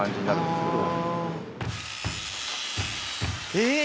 えっ！